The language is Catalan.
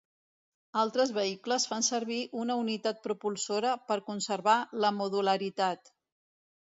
Altres vehicles fan servir una unitat propulsora per conservar la modularitat.